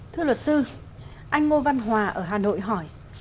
thưa luật sư anh ngô văn hòa ở hà nội hỏi